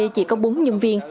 chỉ có bốn nhân viên